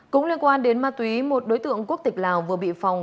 cũng liên quan đến ma túy một đối tượng quốc tịch lào vừa bị phòng